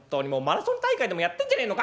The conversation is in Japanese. マラソン大会でもやってんじゃねえのか